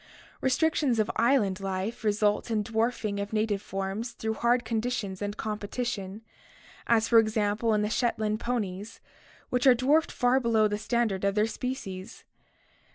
Restrictions of island life result in the dwarfing of native forms through hard conditions and competition, as for example in the Shetland ponies, which are dwarfed far below trje standard of their species.